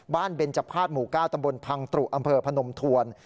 บ้านเบนจับภาษณ์หมู่ก้าตำบลพังตรุอำเผอพนมถวน